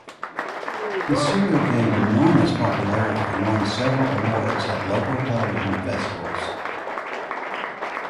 The serial gained enormous popularity and won several awards at local television festivals.